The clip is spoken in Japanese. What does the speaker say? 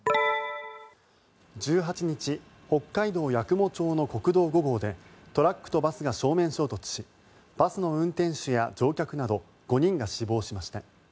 １８日北海道八雲町の国道５号でトラックとバスが正面衝突しバスの運転手や乗客など５人が死亡しました。